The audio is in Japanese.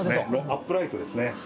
アップライトですね。